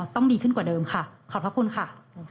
ต้องดีขึ้นกว่าเดิมค่ะขอบคุณค่ะ